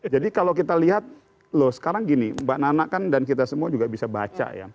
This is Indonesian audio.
jadi kalau kita lihat loh sekarang gini mbak nana kan dan kita semua juga bisa baca ya